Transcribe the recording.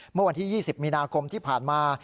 เมื่อวันที่๒๐มีนาคมที่ผ่านมา